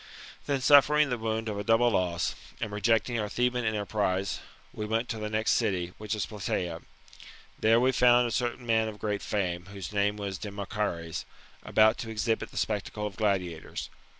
" Then, suffering the wound of a double loss, and rejecting our Theban enterprise, we went to the next city, which is Platea. There we found a certain man of great fame, whose name was Demochares, about to exhibit the spectacle of gladiators.